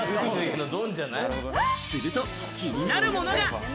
すると、気になるものが。